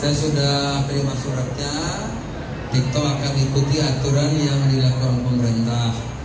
saya sudah terima suratnya tikto akan ikuti aturan yang dilakukan pemerintah